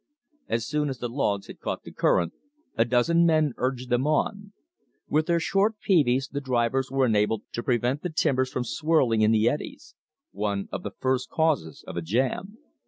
As soon as the logs had caught the current, a dozen men urged them on. With their short peaveys, the drivers were enabled to prevent the timbers from swirling in the eddies one of the first causes of a jam.